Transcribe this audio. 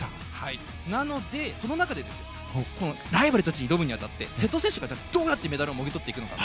なので、その中でライバルたちに挑むにあたって瀬戸選手がどうやってメダルをもぎとるか。